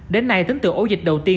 đến nay tính từ ổ dịch đầu tiên